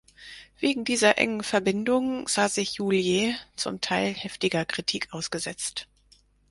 Wegen dieser engen Verbindung sah sich Julier zum Teil heftiger Kritik ausgesetzt.